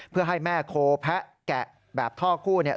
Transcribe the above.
เพื่อให้แม่โคแพะแกะแบบท่อคู่เนี่ย